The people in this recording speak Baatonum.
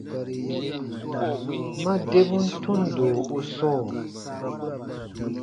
Ma debun tundo u sɔ̃ɔ.